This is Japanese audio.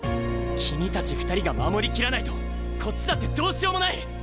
君たち２人が守り切らないとこっちだってどうしようもない！